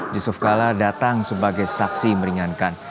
yusuf kala datang sebagai saksi meringankan